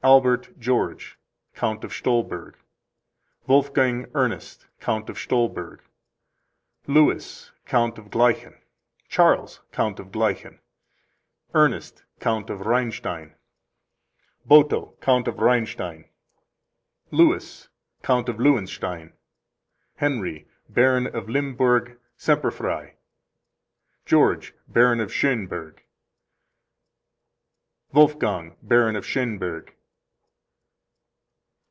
Albert George, Count of Stolberg. Wolfgang Ernest, Count of Stolberg. Louis, Count of Gleichen. Charles, Count of Gleichen. Ernest, Count of Reinstein. Boto, Count of Reinstein. Louis, Count of Lewenstein. Henry, Baron of Limburg, Semperfrei. George, Baron of Schoenburg. Wolfgang, Baron of Schoenburg.